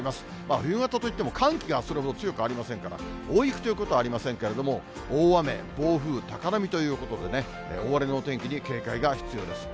冬型といっても寒気がそれほど強くありませんから、大雪ということはありませんけれども、大雨、暴風、高波ということでね、大荒れのお天気に警戒が必要です。